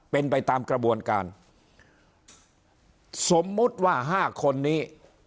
เป็นไปตามกระบวนการสมมุติว่าห้าคนนี้